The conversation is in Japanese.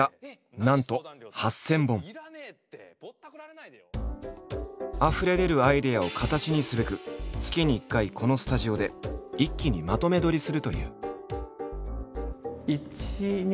現在のあふれ出るアイデアを形にすべく月に１回このスタジオで一気にまとめ撮りするという。